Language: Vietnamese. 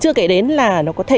chưa kể đến là nó có thể